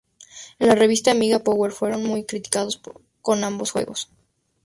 En la revista Amiga Power fueron muy críticos con ambos juegos.